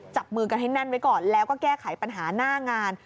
จับมือกันให้แน่นไว้ก่อนแล้วก็แก้ไขปัญหาหน้างาน